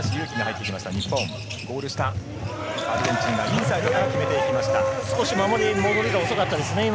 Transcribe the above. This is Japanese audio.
アルゼンチンがインサイドから決少し戻りが遅かったですね。